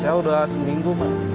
ya udah seminggu mbak